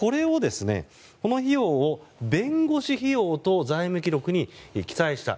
この費用を弁護士費用と財務記録に記載した。